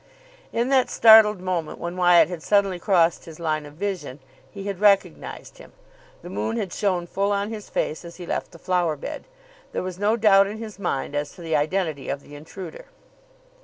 In that startled moment when Wyatt had suddenly crossed his line of vision, he had recognised him. The moon had shone full on his face as he left the flowerbed. There was no doubt in his mind as to the identity of the intruder.